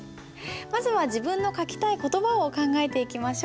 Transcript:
まずは自分の書きたい言葉を考えていきましょう。